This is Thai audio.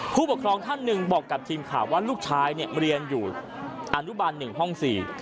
ผู้ปกครองท่านหนึ่งบอกกับทีมข่าวว่าลูกชายเนี่ยเรียนอยู่อนุบัน๑ห้อง๔